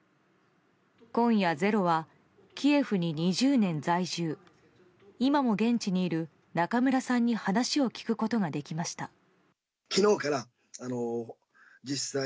今夜、「ｚｅｒｏ」はキエフに２０年在住今も現地にいる中村さんに話を聞くことができました。